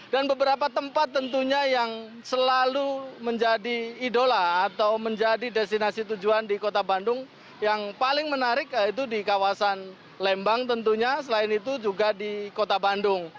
dan beberapa tempat tentunya yang selalu menjadi idola atau menjadi destinasi tujuan di kota bandung yang paling menarik yaitu di kawasan lembang tentunya selain itu juga di kota bandung